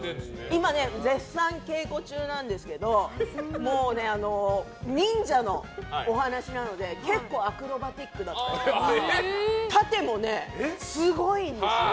今、絶賛稽古中なんですけど忍者のお話なので結構アクロバティックだったり殺陣もすごいんですよ。